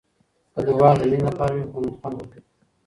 که دروغ د مینې لپاره وي خوند ورکوي.